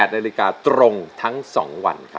นาฬิกาตรงทั้ง๒วันครับ